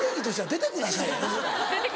出てください。